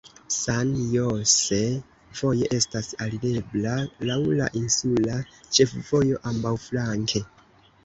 San Jose voje estas alirebla laŭ la insula ĉefvojo ambaŭflanke.